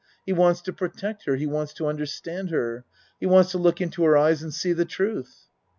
He wants to protect her he wants to understand her. He wants to look into her eyes and see the truth.